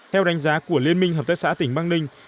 theo đánh giá của liên minh hợp tác xã tỉnh băng ninh